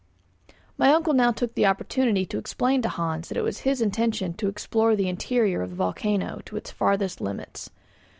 My uncle now took the opportunity to explain to Hans that it was his intention to explore the interior of the volcano to its farthest limits.